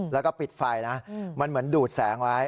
แล้วก็ปิดไฟนะมันเหมือนดูดแสงไว้